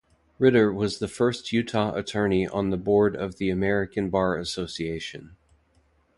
Riter was the first Utah attorney on the Board of the American Bar Association.